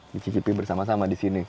dicicipi bersama sama disini